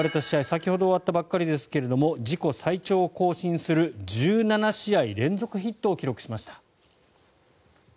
先ほど終わったばかりですが自己最長を更新する１７試合連続ヒットを記録しました。